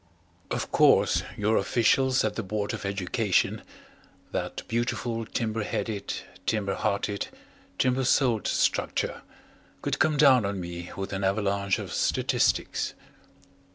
Of course your officials at the Board of Education that beautiful timber headed, timber hearted, timber souled structure could come down on me with an avalanche of statistics.